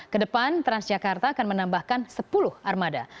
kedepan transjakarta akan menambahkan sepuluh armada